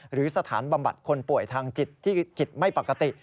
หรือสถานบำบัดคนป่วยทางจิตที่จิตไม่ปกติ